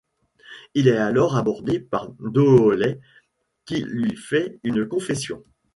Il est alors abordé par Dooley, qui lui fait une confession...